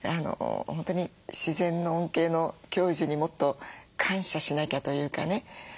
本当に自然の恩恵の享受にもっと感謝しなきゃというかね。